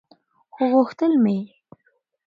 خو غوښتل مې